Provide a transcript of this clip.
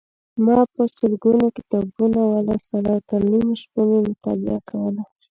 ما په سلګونو کتابونه ولوستل او تر نیمو شپو مې مطالعه کوله.